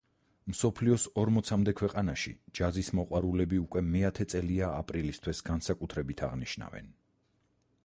მსოფლიოს ორმოცამდე ქვეყანაში ჯაზის მოყვარულები უკვე მეათე წელია აპრილის თვეს განსაკუთრებით აღნიშნავენ.